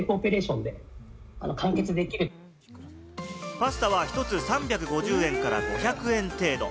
パスタは１つ３５０円から５００円程度。